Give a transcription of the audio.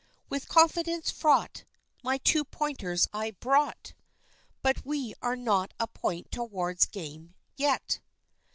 With confidence fraught My two pointers I brought, But we are not a point towards game yet!